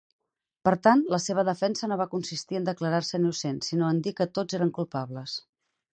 Per tant, la seva defensa no va consistir en declarar-se innocent, sinó en dir que tots eren culpables.